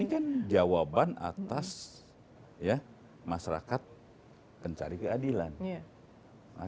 ini kan jawaban atas masyarakat pencari keadilan